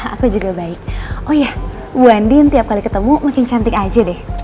aku juga baik oh ya bu andin tiap kali ketemu makin cantik aja deh